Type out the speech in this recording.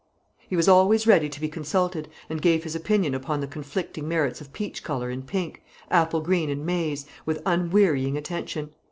He was always ready to be consulted, and gave his opinion upon the conflicting merits of peach colour and pink, apple green and maize, with unwearying attention.